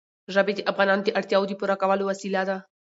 ژبې د افغانانو د اړتیاوو د پوره کولو وسیله ده.